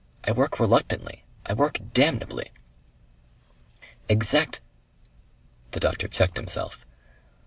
I work reluctantly. I work damnably." "Exact " The doctor checked himself.